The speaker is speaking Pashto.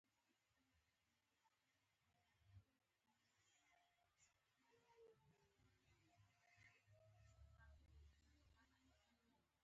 بله لاره همداسې پورته ان تر سپینغره وتې ده.